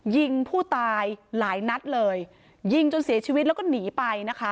ยิงผู้ตายหลายนัดเลยยิงจนเสียชีวิตแล้วก็หนีไปนะคะ